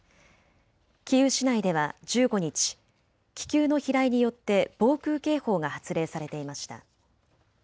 キーウ市内では１５日、気球の飛来によって防空警報が発令されていました。